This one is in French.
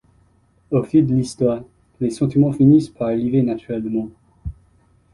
Au fil de l'histoire, les sentiments finissent par arriver naturellement.